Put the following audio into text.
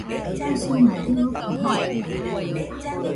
Usuma dɨokɨ jate.